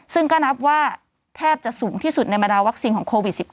ซึ่งก็นับว่าแทบจะสูงที่สุดในบรรดาวัคซีนของโควิด๑๙